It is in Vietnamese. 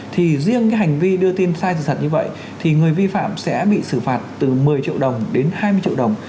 thì riêng cái hành vi đưa tin sai sự thật như vậy thì người vi phạm sẽ bị xử phạt từ một mươi triệu đồng đến hai mươi triệu đồng